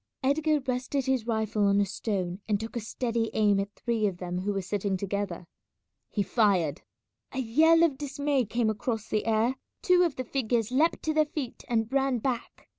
Edgar rested his rifle on a stone and took a steady aim at three of them who were sitting together. He fired. A yell of dismay came across the air; two of the figures leapt to their feet and ran back.